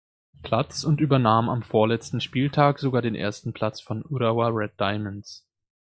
Platz und übernahm am vorletzten Spieltag sogar den ersten Platz von Urawa Red Diamonds.